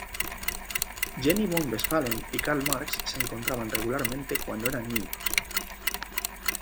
Jenny von Westphalen y Karl Marx se encontraban regularmente cuando eran niños.